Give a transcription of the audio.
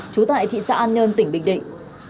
chú tại thị xã an nhơn tỉnh bình định